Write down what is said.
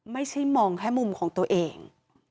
ไม่ใช่มองแค่มุมของตัวเอง